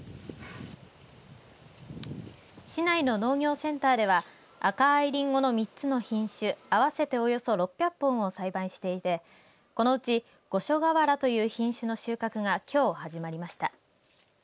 市内の農業センターでは赤いりんごの３つの品種合わせておよそ６００本を栽培していてこのうち御所川原という品種の収穫がきょう始まりました。